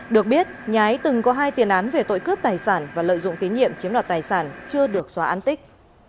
được biết nhái từng có hai tiền án về tội cướp tài sản và lợi dụng tín nhiệm chiếm đoạt tài sản chưa được xóa an tích